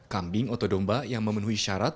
kambing atau domba yang memenuhi syarat